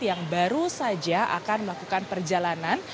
yang baru saja akan melakukan perjalanan